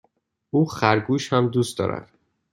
او خرگوش هم دوست دارد.